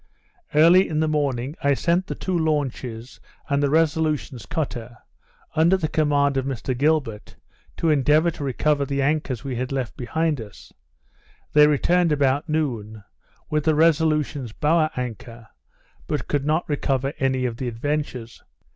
Early in the morning, I sent the two launches and the Resolution's cutter, under the command of Mr Gilbert, to endeavour to recover the anchors we had left behind us; they returned about noon, with the Resolution's bower anchor, but could not recover any of the Adventure's.